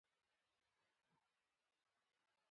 افغانستان د کندهار کوربه دی.